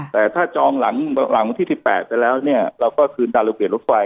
แต่ถ้าจองหลังวันที่๑๘ไปแล้วเนี่ยเราก็คืนตามระเบียบรถไฟ